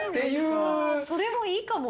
それもいいかも。